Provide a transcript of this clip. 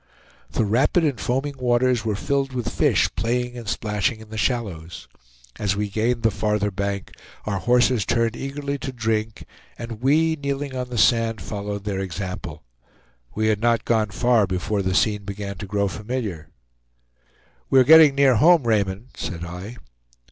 The rapid and foaming waters were filled with fish playing and splashing in the shallows. As we gained the farther bank, our horses turned eagerly to drink, and we, kneeling on the sand, followed their example. We had not gone far before the scene began to grow familiar. "We are getting near home, Raymond," said I.